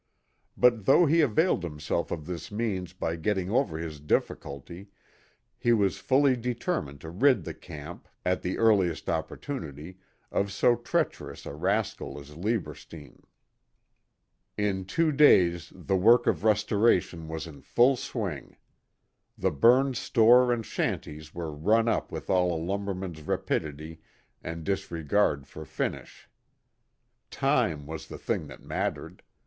But though he availed himself of this means of getting over his difficulty he was fully determined to rid the camp, at the earliest opportunity, of so treacherous a rascal as Lieberstein. In two days the work of restoration was in full swing. The burned store and shanties were run up with all a lumberman's rapidity and disregard for finish. Time was the thing that mattered.